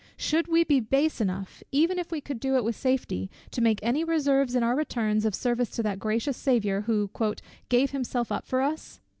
Should we be base enough, even if we could do it with safety, to make any reserves in our returns of service to that gracious Saviour, who "gave up himself for us?"